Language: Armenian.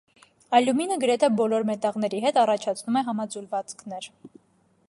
Ալյումինը գրեթե բոլոր մետաղների հետ առաջացնում է համաձուլվածքներ։